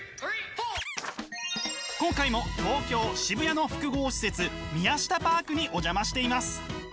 今回も東京・渋谷の複合施設ミヤシタパークにお邪魔しています。